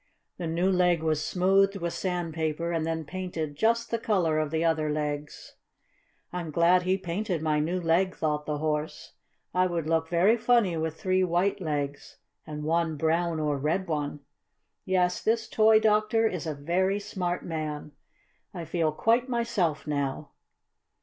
The new leg was smoothed with sandpaper, and then painted just the color of the other legs. "I'm glad he painted my new leg," thought the Horse. "I would look very funny with three white legs and one brown or red one. Yes, this toy doctor is a very smart man. I feel quite myself now."